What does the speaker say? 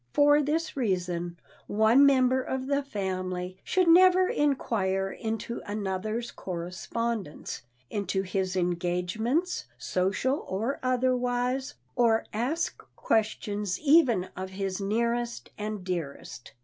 For this reason one member of the family should never inquire into another's correspondence, into his engagements, social or otherwise, or ask questions even of his nearest and dearest.